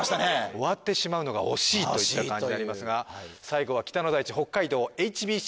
終わってしまうのが惜しいといった感じでありますが最後は北の大地北海道ＨＢＣ